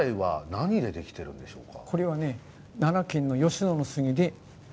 何でできてるんでしょうか。